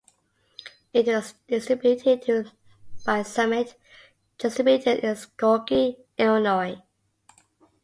It was distributed by Summit Distributors in Skokie, Illinois.